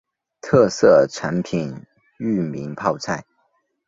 特色产品裕民泡菜。